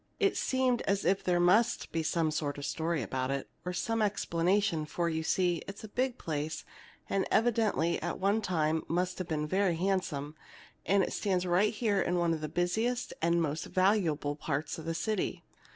It seemed as if there must be some story about it, or some explanation; for, you see, it's a big place, and evidently at one time must have been very handsome. And it stands right here in one of the busiest and most valuable parts of the city.